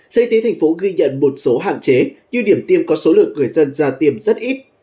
sở y tế thành phố ghi nhận một số hạn chế như điểm tiêm có số lượng người dân ra tiêm rất ít